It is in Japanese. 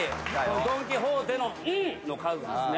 『ドン・キホーテ』の「ン」の数ですね。